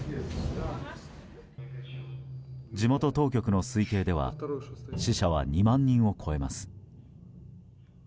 地元当局の推計では死者は２万人を超えます。